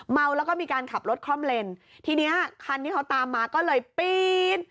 เมาแล้วก็มีการขับรถคล่อมเลนทีเนี้ยคันที่เขาตามมาก็เลยปีน